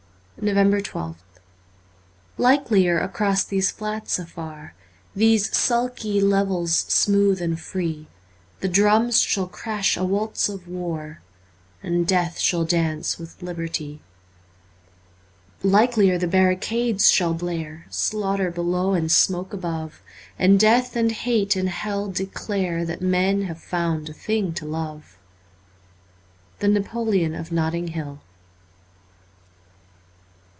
351 NOVEMBER 12th LIKELIER across these flats afar, J These sulky levels smooth and free, The drums shall crash a waltz of war And Death shall dance with Liberty ; Likelier the barricades shall blare Slaughter below and smoke above, And death and hate and hell declare That men have found a thing to love. ' The Napoleon of Notting Hill.'